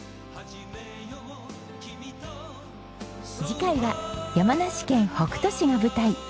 次回は山梨県北杜市が舞台。